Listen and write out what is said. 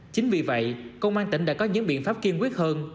chính vì vậy công an tỉnh đã có những biện pháp kiên quyết hơn